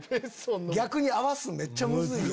逆に合わすのめっちゃムズい。